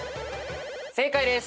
正解です。